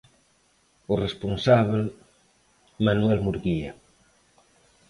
O responsábel, Manuel Murguía.